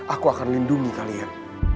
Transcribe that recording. aku akan lindungi kalian